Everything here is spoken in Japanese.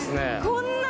こんな。